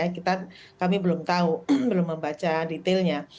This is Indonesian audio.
kita kami belum tahu belum membaca detailnya